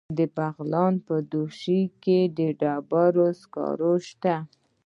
د بغلان په دوشي کې د ډبرو سکاره شته.